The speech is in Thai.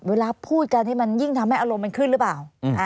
เวลาพูดกันให้มันยิ่งทำให้อารมณ์มันขึ้นหรือเปล่า